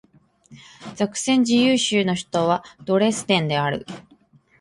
ザクセン自由州の州都はドレスデンである